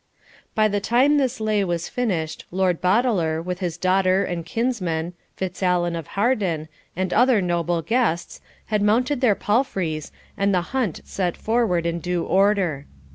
By the time this lay was finished, Lord Boteler, with his daughter and kinsman, Fitzallen of Harden, and other noble guests, had mounted their palfreys, and the hunt set forward in due order.